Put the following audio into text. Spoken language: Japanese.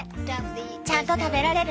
ちゃんと食べられる？